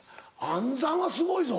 暗算はすごいぞ。